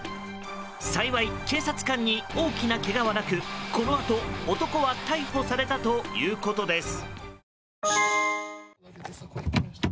幸い、警察官に大きなけがはなくこのあと、男は逮捕されたということです。